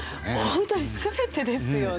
ホントに全てですよね。